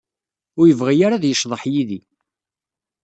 Ur yebɣi ara ad yecḍeḥ yid-i.